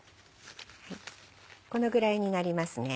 このぐらいになりますね。